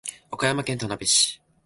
和歌山県田辺市